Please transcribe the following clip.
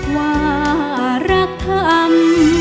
ว่ารักทำ